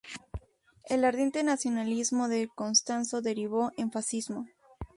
El ardiente nacionalismo de Costanzo derivó en fascismo.